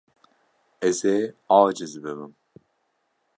Ez ê aciz bibim.